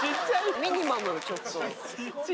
ミニマム、ちょっと。